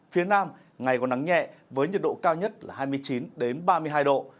phía nam ngày có nắng nhẹ với nhiệt độ cao nhất là hai mươi chín ba mươi hai độ